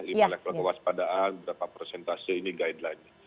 lima level kewaspadaan berapa persentase ini guideline